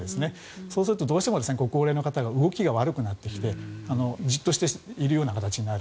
そうするとどうしてもご高齢の方が動きが悪くなってきてじっとしているような形になる。